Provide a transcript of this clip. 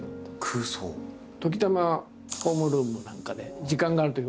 時たまホームルームなんかで時間があるとき